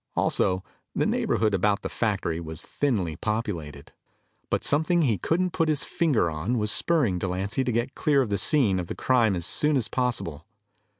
Also, the neighborhood about the factory was thinly populated. But something he couldn't put his finger on was spurring Delancy to get clear of the scene of the crime as soon as possible.